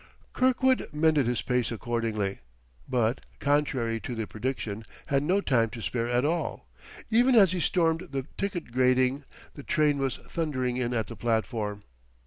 Kirkwood mended his pace accordingly, but, contrary to the prediction, had no time to spare at all. Even as he stormed the ticket grating, the train was thundering in at the platform.